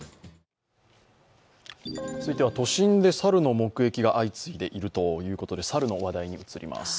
続いては、都心で猿の目撃が相次いでいるということで猿の話題に移ります。